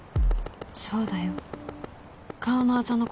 そうだよ。